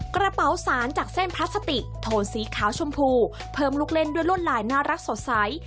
กระเป๋าสารจากเส้นพลาสติกโทนสีขาวชมพูเพิ่มลูกเล่นด้วยลวดลายน่ารักสดใส